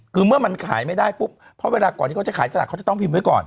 คือเมื่อมันขายไม่ได้ปุ๊บเพราะเวลาก่อนที่เขาจะขายสลากเขาจะต้องพิมพ์ไว้ก่อน